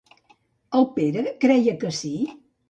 El Pere creia que sí?